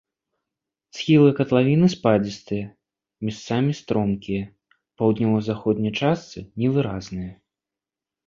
Схілы катлавіны спадзістыя, месцамі стромкія, у паўднёва-заходняй частцы невыразныя.